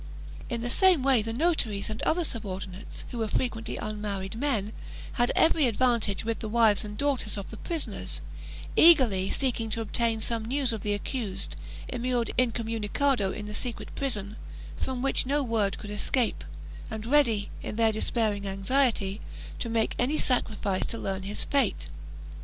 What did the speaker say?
In the same way the notaries and other subordinates, who were frequently un married men, had every advantage with the wives and daughters of the prisoners, eagerly seeking to obtain some news of the accused, immured incomunicado in the secret prison, from which no word could escape, and ready, in their despairing anxiety, to make any sacrifice to learn his fate.